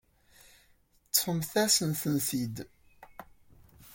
Teṭṭfemt-asen-tent-id.